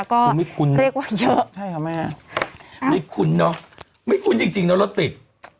ก็เรียกว่าเยอะไม่คุ้นนะไม่คุ้นจริงนะรถติด